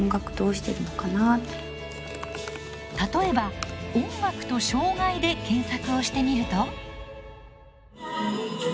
例えば「音楽」と「障がい」で検索をしてみると。